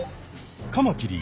カマキリ